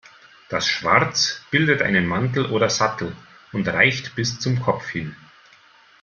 Das Schwarz bildet einen Mantel oder Sattel und reicht bis zum Kopf hin.